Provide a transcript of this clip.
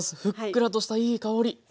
ふっくらとしたいい香り。